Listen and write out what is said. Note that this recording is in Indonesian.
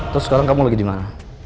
terus sekarang kamu lagi di mana